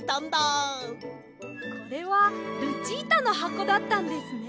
これはルチータのはこだったんですね。